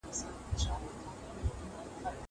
تير به دا دغم داستان وي